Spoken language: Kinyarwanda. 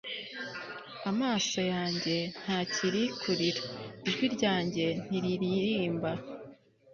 amaso yanjye ntakiri kurira, ijwi ryanjye ntiriririmba